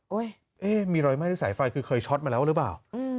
เอ๊ะมีรอยไหม้ด้วยสายไฟคือเคยช็อตมาแล้วหรือเปล่า